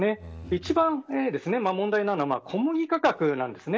市場問題なのは小麦の価格なんです。